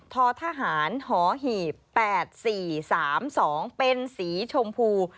ททหารหอหีบ๘๔๓๒เป็นสีชมพู